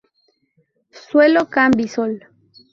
Suelo Cambisol.